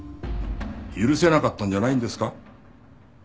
許せなかったんじゃないんですか？